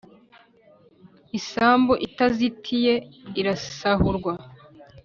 Isambu itazitiye, irasahurwa,